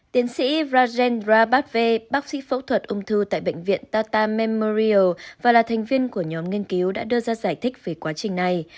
tiến sĩ brazen rabatv bác sĩ phẫu thuật ung thư tại bệnh viện tata memorial và là thành viên của nhóm nghiên cứu đã đưa ra giải thích về quá trình này